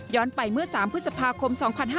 ไปเมื่อ๓พฤษภาคม๒๕๕๙